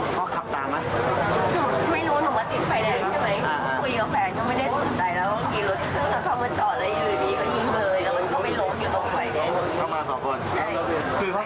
กืนเข้าจอมาแล้วน้ำเข้าจอยิงเลย